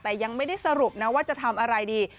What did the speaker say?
แต่ยังไม่ได้สรุปนะว่าจะทำอะไรดี